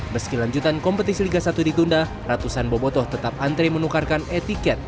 meski lanjutan kompetisi liga satu ditunda ratusan bobotoh tetap antre menukarkan e ticket